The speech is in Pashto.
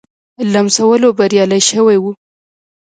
لمسولو بریالی شوی وو.